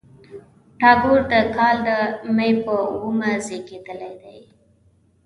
ټاګور د کال د مۍ په اوومه زېږېدلی دی.